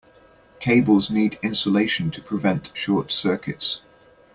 Cables need insulation to prevent short circuits.